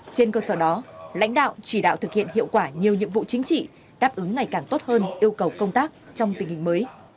trên cơ sở đó lãnh đạo chỉ đạo thực hiện hiệu quả nhiều nhiệm vụ chính trị đáp ứng ngày càng tốt hơn yêu cầu công tác trong tình hình mới